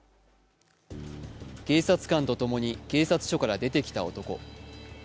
警察官とともに警察署から出てきた男。